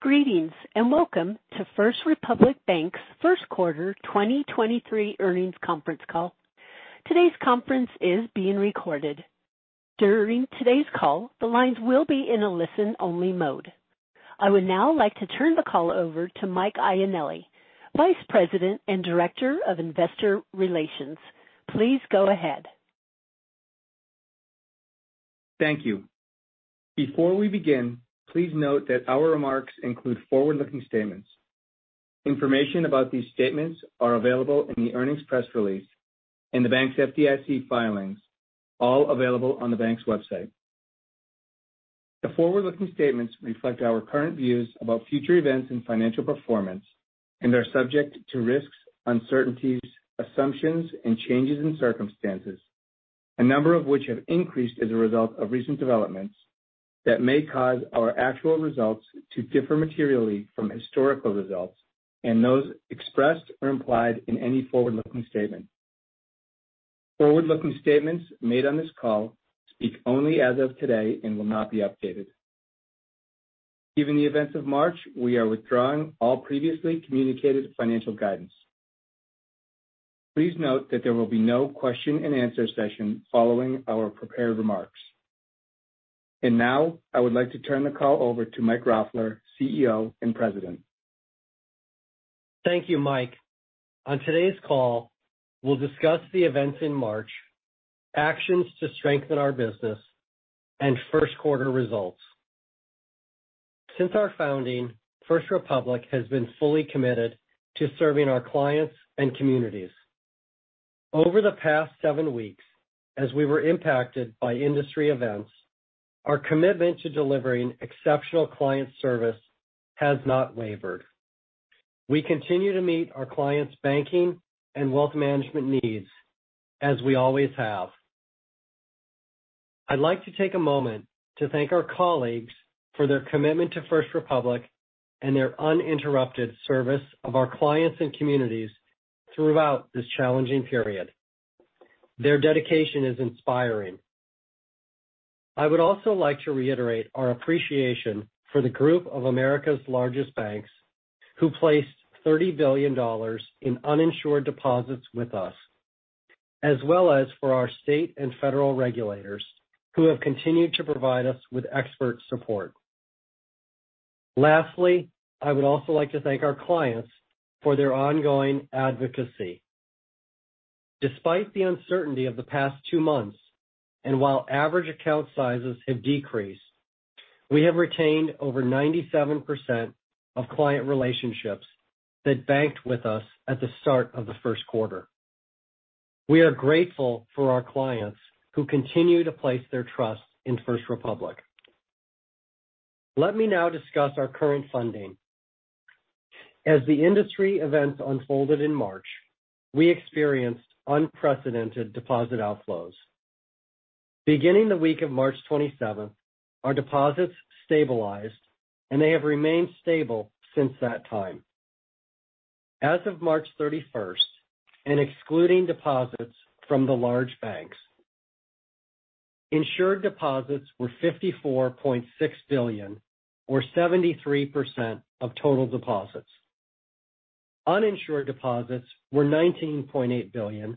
Greetings, and welcome to First Republic Bank's 1st quarter 2023 earnings conference call. Today's conference is being recorded. During today's call, the lines will be in a listen-only mode. I would now like to turn the call over to Mike loanilli, Vice President and Director of Investor Relations. Please go ahead. Thank you. Before we begin, please note that our remarks include forward-looking statements. Information about these statements are available in the earnings press release and the bank's FDIC filings, all available on the bank's website. The forward-looking statements reflect our current views about future events and financial performance and are subject to risks, uncertainties, assumptions, and changes in circumstances, a number of which have increased as a result of recent developments that may cause our actual results to differ materially from historical results and those expressed or implied in any forward-looking statement. Forward-looking statements made on this call speak only as of today and will not be updated. Given the events of March, we are withdrawing all previously communicated financial guidance. Please note that there will be no question-and-answer session following our prepared remarks. Now I would like to turn the call over to Mike Roffler, CEO and President. Thank you, Mike. On today's call, we'll discuss the events in March, actions to strengthen our business, and first quarter results. Since our founding, First Republic has been fully committed to serving our clients and communities. Over the past seven weeks, as we were impacted by industry events, our commitment to delivering exceptional client service has not wavered. We continue to meet our clients' banking and wealth management needs as we always have. I'd like to take a moment to thank our colleagues for their commitment to First Republic and their uninterrupted service of our clients and communities throughout this challenging period. Their dedication is inspiring. I would also like to reiterate our appreciation for the group of America's largest banks who placed $30 billion in uninsured deposits with us, as well as for our state and federal regulators who have continued to provide us with expert support. Lastly, I would also like to thank our clients for their ongoing advocacy. Despite the uncertainty of the past two months, and while average account sizes have decreased, we have retained over 97% of client relationships that banked with us at the start of the first quarter. We are grateful for our clients who continue to place their trust in First Republic. Let me now discuss our current funding. As the industry events unfolded in March, we experienced unprecedented deposit outflows. Beginning the week of March 27th, our deposits stabilized, and they have remained stable since that time. As of March 31st, and excluding deposits from the large banks, insured deposits were $54.6 billion or 73% of total deposits. Uninsured deposits were $19.8 billion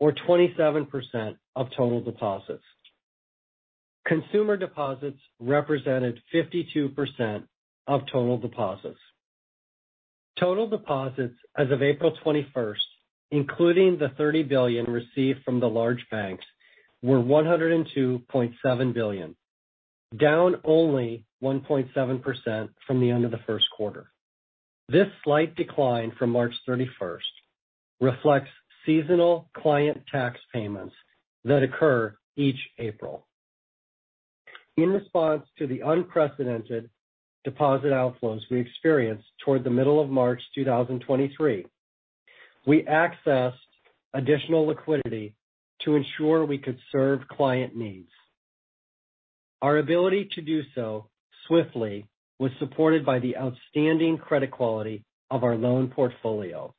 or 27% of total deposits. Consumer deposits represented 52% of total deposits. Total deposits as of April 21st, including the $30 billion received from the large banks, were $102.7 billion, down only 1.7% from the end of the first quarter. This slight decline from March 31st reflects seasonal client tax payments that occur each April. In response to the unprecedented deposit outflows we experienced toward the middle of March 2023, we accessed additional liquidity to ensure we could serve client needs. Our ability to do so swiftly was supported by the outstanding credit quality of our loan portfolio.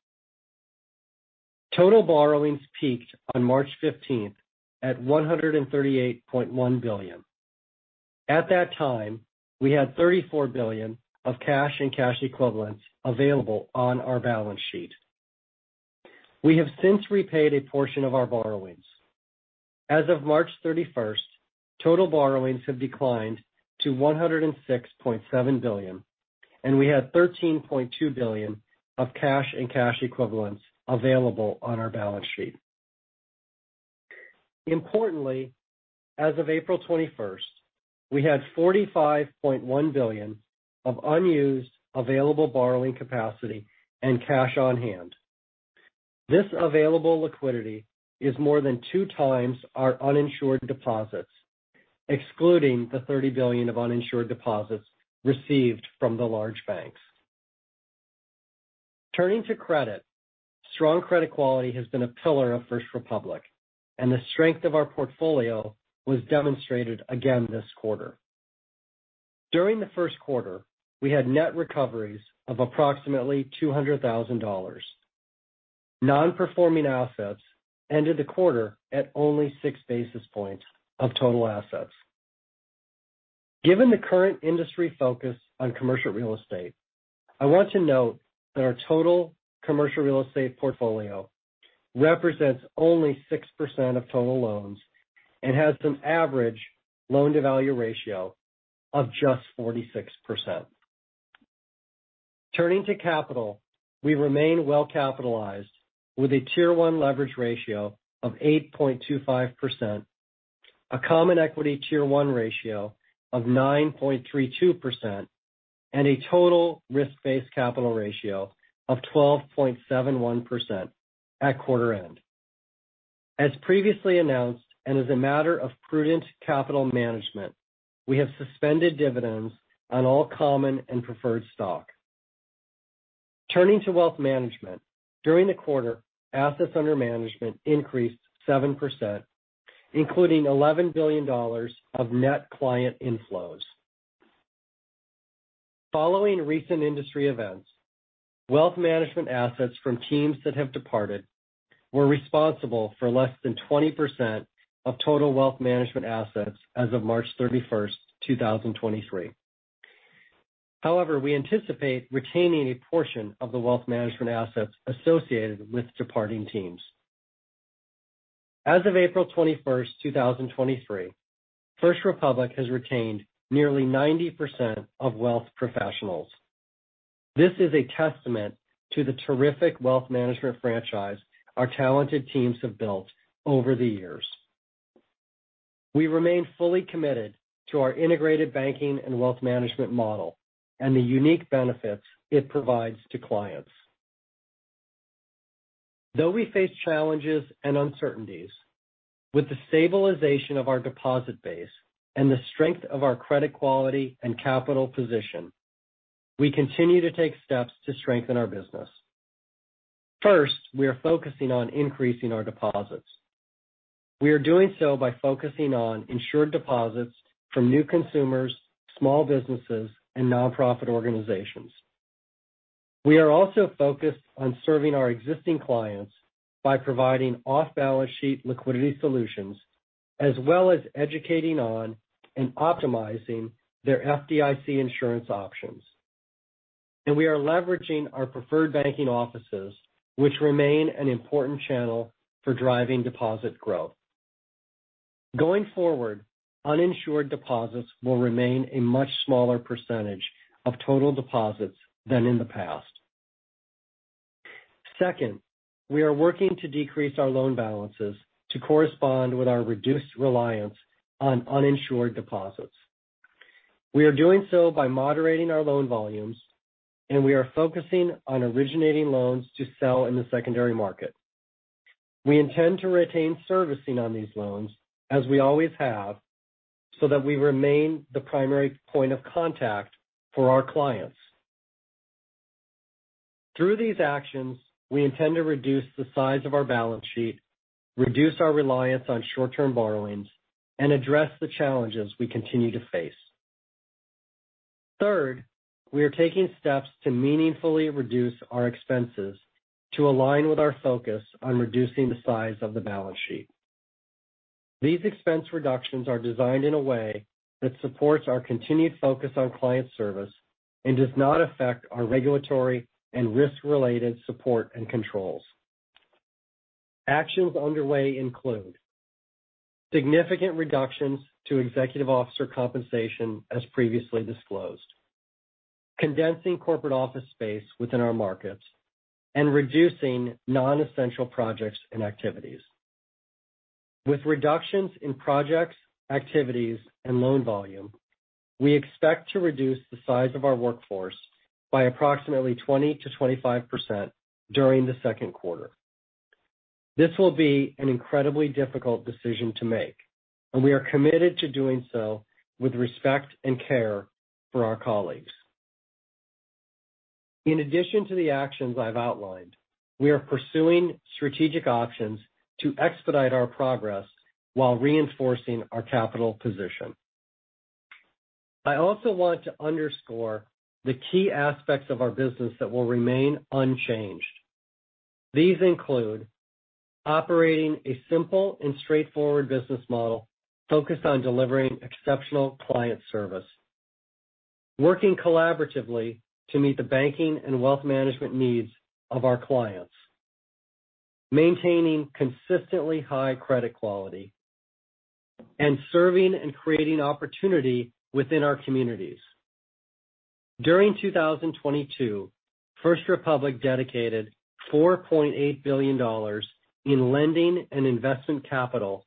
Total borrowings peaked on March 15th at $138.1 billion. At that time, we had $34 billion of cash and cash equivalents available on our balance sheet. We have since repaid a portion of our borrowings. As of March 31st, total borrowings have declined to $106.7 billion, and we had $13.2 billion of cash and cash equivalents available on our balance sheet. Importantly, as of April 21st, we had $45.1 billion of unused available borrowing capacity and cash on hand. This available liquidity is more than two times our uninsured deposits, excluding the $30 billion of uninsured deposits received from the large banks. Turning to credit. Strong credit quality has been a pillar of First Republic, and the strength of our portfolio was demonstrated again this quarter. During the first quarter, we had net recoveries of approximately $200,000. Non-performing assets ended the quarter at only six basis points of total assets. Given the current industry focus on commercial real estate, I want to note that our total commercial real estate portfolio represents only 6% of total loans and has an average loan-to-value ratio of just 46%. Turning to capital, we remain well capitalized with a Tier 1 leverage ratio of 8.25%, a Common Equity Tier 1 ratio of 9.32%, and a total risk-based capital ratio of 12.71% at quarter end. As previously announced, as a matter of prudent capital management, we have suspended dividends on all common and preferred stock. Turning to wealth management, during the quarter, assets under management increased 7%, including $11 billion of net client inflows. Following recent industry events, wealth management assets from teams that have departed were responsible for less than 20% of total wealth management assets as of March 31st, 2023. However, we anticipate retaining a portion of the wealth management assets associated with departing teams. As of April 21st, 2023, First Republic has retained nearly 90% of wealth professionals. This is a testament to the terrific wealth management franchise our talented teams have built over the years. We remain fully committed to our integrated banking and wealth management model and the unique benefits it provides to clients. Though we face challenges and uncertainties, with the stabilization of our deposit base and the strength of our credit quality and capital position, we continue to take steps to strengthen our business. First, we are focusing on increasing our deposits. We are doing so by focusing on insured deposits from new consumers, small businesses, and nonprofit organizations. We are also focused on serving our existing clients by providing off-balance sheet liquidity solutions, as well as educating on and optimizing their FDIC insurance options. We are leveraging our preferred banking offices, which remain an important channel for driving deposit growth. Going forward, uninsured deposits will remain a much smaller % of total deposits than in the past. Second, we are working to decrease our loan balances to correspond with our reduced reliance on uninsured deposits. We are doing so by moderating our loan volumes, we are focusing on originating loans to sell in the secondary market. We intend to retain servicing on these loans, as we always have, so that we remain the primary point of contact for our clients. Through these actions, we intend to reduce the size of our balance sheet, reduce our reliance on short-term borrowings, and address the challenges we continue to face. Third, we are taking steps to meaningfully reduce our expenses to align with our focus on reducing the size of the balance sheet. These expense reductions are designed in a way that supports our continued focus on client service and does not affect our regulatory and risk-related support and controls. Actions underway include significant reductions to executive officer compensation as previously disclosed, condensing corporate office space within our markets, and reducing non-essential projects and activities. With reductions in projects, activities, and loan volume, we expect to reduce the size of our workforce by approximately 20%-25% during the second quarter. This will be an incredibly difficult decision to make, and we are committed to doing so with respect and care for our colleagues. In addition to the actions I've outlined, we are pursuing strategic options to expedite our progress while reinforcing our capital position. I also want to underscore the key aspects of our business that will remain unchanged. These include operating a simple and straightforward business model focused on delivering exceptional client service, working collaboratively to meet the banking and wealth management needs of our clients, maintaining consistently high credit quality, and serving and creating opportunity within our communities. During 2022, First Republic dedicated $4.8 billion in lending and investment capital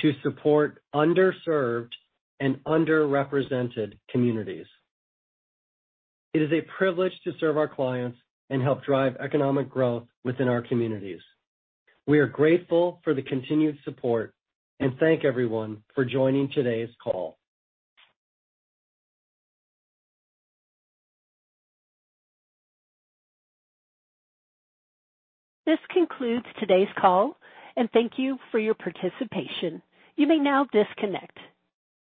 to support underserved and underrepresented communities. It is a privilege to serve our clients and help drive economic growth within our communities. We are grateful for the continued support and thank everyone for joining today's call. This concludes today's call, and thank you for your participation. You may now disconnect.